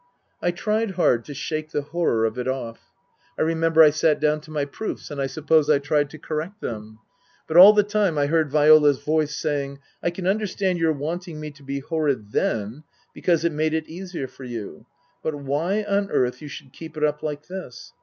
I tried hard to shake the horror of it off. I remember I sat down to my proofs, and I suppose I tried to correct them. But all the time I heard Viola's voice saying, " I can understand your wanting me to be horrid then, because it made it easier for you. ... But why on earth you should keep it up like this